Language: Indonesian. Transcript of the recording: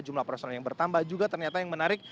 jumlah personel yang bertambah juga ternyata yang menarik